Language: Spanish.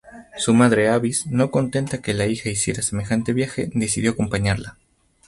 Su madre Avis no contenta que la hija hiciera semejante viaje decidió acompañarla.